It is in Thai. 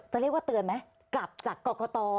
จะเรียกว่าเตือนไหมกลับจากกรกต